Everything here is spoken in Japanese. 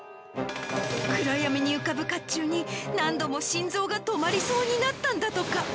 暗闇に浮かぶかっちゅうに、何度も心臓が止まりそうになったんだとか。